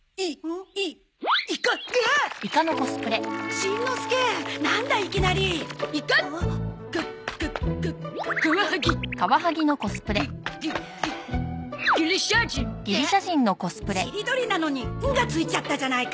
しりとりなのに「ん」がついちゃったじゃないか！